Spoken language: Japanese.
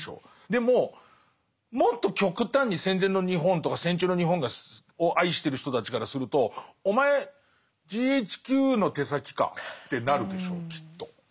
でももっと極端に戦前の日本とか戦中の日本を愛してる人たちからするとお前ＧＨＱの手先か？ってなるでしょうきっと。